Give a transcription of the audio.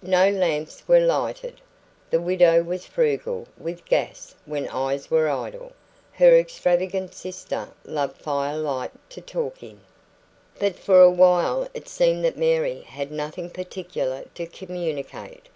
No lamps were lighted. The widow was frugal with gas when eyes were idle; her extravagant sister loved firelight to talk in. But for a while it seemed that Mary had nothing particular to communicate.